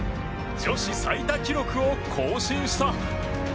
女子最多記録を更新した。